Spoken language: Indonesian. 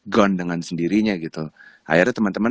gon dengan sendirinya gitu akhirnya teman teman